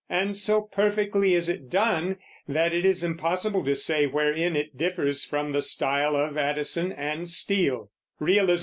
And so perfectly is it done that it is impossible to say wherein it differs from the style of Addison and Steele.